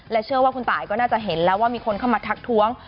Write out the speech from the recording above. เชื่อว่าคุณตายก็น่าจะเห็นแล้วว่ามีคนเข้ามาทักท้วง